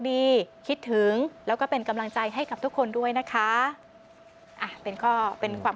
คิดถึงแล้วก็เป็นกำลังใจให้กับทุกคนด้วยนะคะเป็นข้อเป็นความ